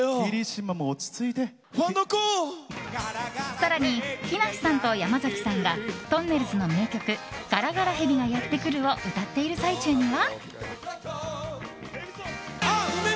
更に、木梨さんと山崎さんがとんねるずの名曲「ガラガラヘビがやってくる」を歌っている最中には。